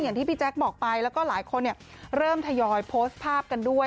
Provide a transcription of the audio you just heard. อย่างที่พี่แจ๊คบอกไปแล้วก็หลายคนเริ่มทยอยโพสต์ภาพกันด้วย